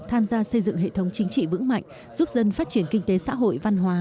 tham gia xây dựng hệ thống chính trị vững mạnh giúp dân phát triển kinh tế xã hội văn hóa